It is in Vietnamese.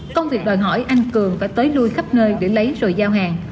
công việc đòi hỏi anh cường phải tới lui khắp nơi để lấy rồi giao hàng